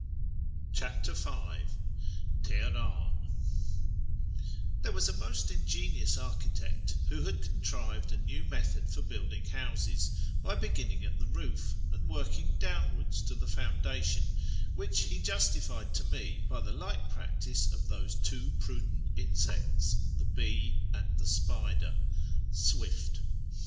CHAPTEE V TEHEKAN "There was a most ingenious Arcliitect, who had contrived a new Method for building Houses, by beginning at the Roof, and working downwards to the Foundation, which he justified to mo, by tlie like Practice of those two prudent Insects, the Bee and the Spider." — Swift.